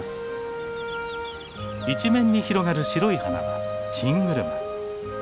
一面に広がる白い花はチングルマ。